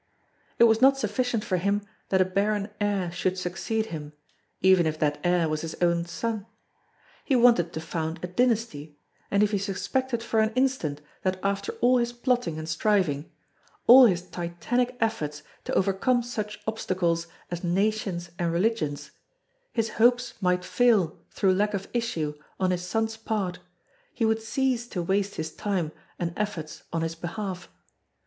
It was not sufficient for him that a barren heir should succeed him even if that heir was his own son. He wanted to found a dynasty, and if he suspected for an instant that after all his plotting and striving all his titanic efforts to overcome such obstacles as nations and religions his hopes might fail through lack of issue on his son's part he would cease to waste his time and efforts on his behalf.